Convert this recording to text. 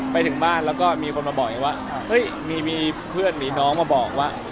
ไปถึงบ้านแล้วก็มีคนมาบอกไงว่าเฮ้ยมีเพื่อนมีน้องมาบอกว่า